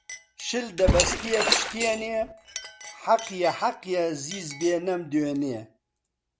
شل دەبەستێ پشتێنێ حەقیە حەقیە زیز بێ نەمدوێنێ